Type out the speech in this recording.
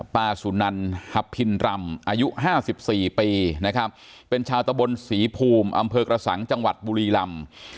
ป้าสุนันหพินรำอายุ๕๔ปีนะครับเป็นชาวตะบนศรีภูมิอำเภอกระสังจังหวัดบุรีลำ